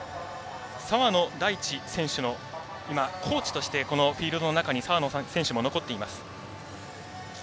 澤野大地選手のコーチとしてこのフィールドの中に澤野選手も残っています。